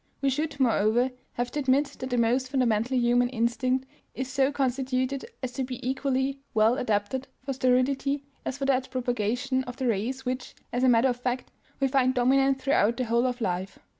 We should, moreover, have to admit that the most fundamental human instinct is so constituted as to be equally well adapted for sterility as for that propagation of the race which, as a matter of fact, we find dominant throughout the whole of life.